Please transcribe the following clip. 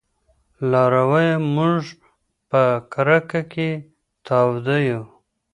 لارويه! موږ په کرکه کې تاوده يو